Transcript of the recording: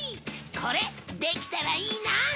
これできたらいいな！